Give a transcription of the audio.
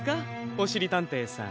おしりたんていさん。